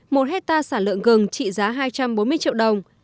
một hectare sản lượng gừng trị giá hai trăm bốn mươi triệu đồng